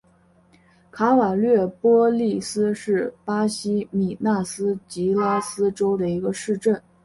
卡瓦略波利斯是巴西米纳斯吉拉斯州的一个市镇。